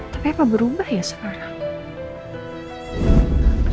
tapi apa berubah ya sekarang